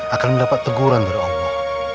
akan mendapat teguran dari allah